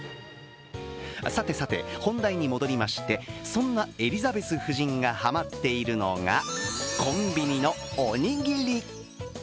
さてさて本題に戻りまして、そんなエリザベス夫人がハマっているのがコンビニのおにぎり。